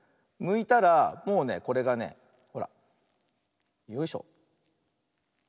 むいたらもうねこれがねほらよいしょ。